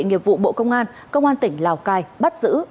nghiệp vụ bộ công an công an tỉnh lào cai bắt giữ